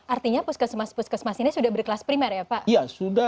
artinya puskesmas puskesmas ini sudah berkelas primer ya pak